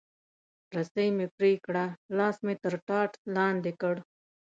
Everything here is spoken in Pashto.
رسۍ مې پرې کړه، لاس مې تر ټاټ لاندې کړ.